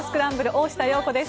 大下容子です。